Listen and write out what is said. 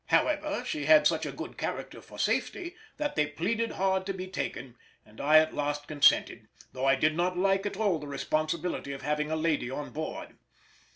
However, she had such a good character for safety, that they pleaded hard to be taken, and I at last consented, though I did not like at all the responsibility of having a lady on board.